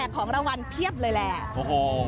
ของรางวัลเพียบเลยแหละ